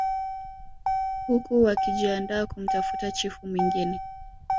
Huku wakijiandaa kumtafuta chifu mwingine